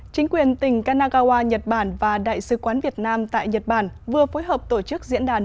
chính quyền tỉnh kanagawa nhật bản và đại sứ quán việt nam tại nhật bản vừa phối hợp tổ chức diễn đàn